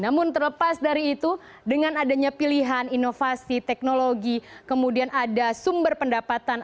namun terlepas dari itu dengan adanya pilihan inovasi teknologi kemudian ada sumber pendapatan